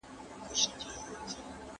¬ اوبو اخيستی ځگ ته لاس اچوي.